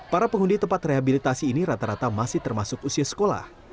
para penghuni tempat rehabilitasi ini rata rata masih termasuk usia sekolah